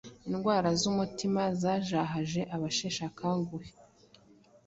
indwara z’umutima zazahaje abasheshakanguhe